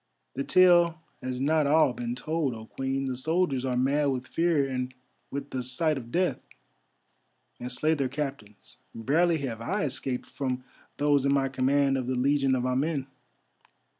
"The tale has not all been told, O Queen. The soldiers are mad with fear and with the sight of death, and slay their captains; barely have I escaped from those in my command of the Legion of Amen.